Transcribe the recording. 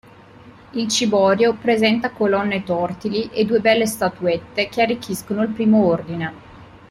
Il ciborio presenta colonne tortili e due belle statuette che arricchiscono il primo ordine.